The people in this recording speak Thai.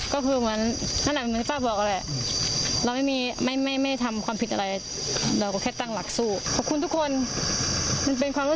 ขอบคุณอะไม่รู้จะพูดว่ายังไง